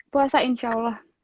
puasa insya allah